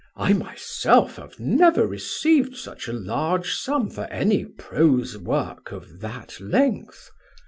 I myself have never received such a large sum for any prose work of that length.